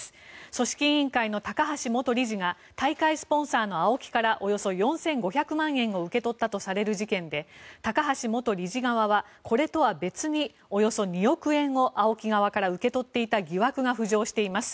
組織委員会の高橋元理事が大会スポンサーのＡＯＫＩからおよそ４５００万円を受け取ったとされる事件で高橋元理事側は、これとは別におよそ２億円をＡＯＫＩ側から受け取っていた疑惑が浮上しています。